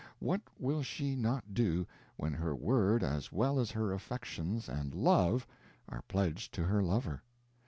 What will she not do, when her word as well as her affections and _love _are pledged to her lover?